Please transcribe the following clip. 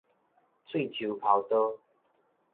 喙鬚剾刀